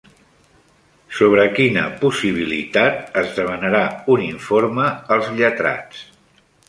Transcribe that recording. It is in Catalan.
Sobre quina possibilitat es demanarà un informe als lletrats?